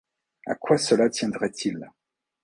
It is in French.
A quoi cela tiendrait-il ?